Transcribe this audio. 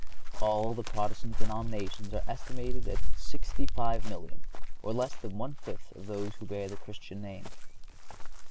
All the Protestant denominations are estimated at sixty five million, or less than one fifth of those who bear the Christian name.